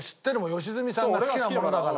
良純さんが好きなものだから。